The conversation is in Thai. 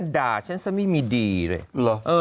ด่าฉันซะไม่มีดีเลย